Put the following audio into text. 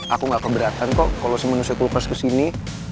aku gak keberatan kok kalau si manusia kulkas ke sini